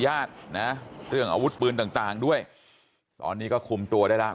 บอกแล้วบอกแล้วบอกแล้วบอกแล้วบอกแล้วบอกแล้ว